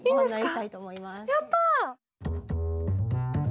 やった！